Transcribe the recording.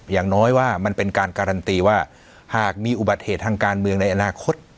อย่างน้อยว่ามันเป็นการการันตีว่าหากมีอุบัติเหตุทางการเมืองในอนาคต